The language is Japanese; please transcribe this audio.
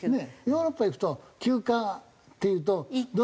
ヨーロッパ行くと休暇っていうと。